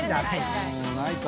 ないか。